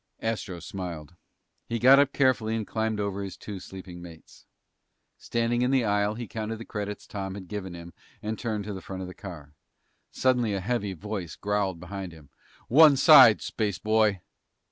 Astro smiled. He got up carefully and climbed over his two sleeping mates. Standing in the aisle, he counted the credits Tom had given him and turned to the front of the car. Suddenly a heavy voice growled behind him. "One side, spaceboy!"